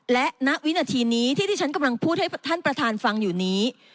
และณวินาทีนี้ที่ที่ฉันกำลังพูดให้ท่านประธานฟังอยู่นี้